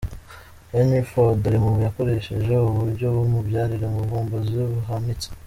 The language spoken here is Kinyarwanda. Henry Ford, ari mu yakoresheje ubu buryo bumubyarira ubuvumbuzi buhanitse.